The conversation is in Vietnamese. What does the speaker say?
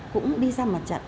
cũng đi ra mặt trận